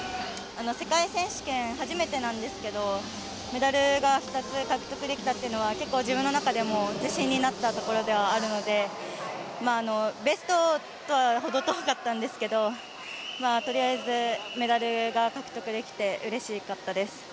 世界選手権、初めてなんですけどメダルが２つ獲得できたっていうのは結構、自分の中でも自信になったところではあるのでベストとは程遠かったんですけどとりあえずメダルが獲得できてうれしかったです。